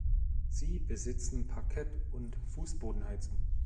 Sie besitzen Parkett und Fußbodenheizung.